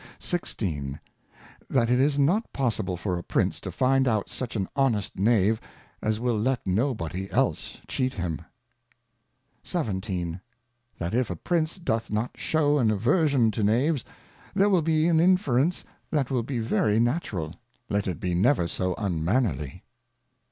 16. That it is not possible for a Prince to find out such an Honest Knave, as will let no body else Cheat him. 17. That if a Prince doth not shew an Aversion to Knaves, there will be an Inference that will be very Natural, let it be never so Unmannerly.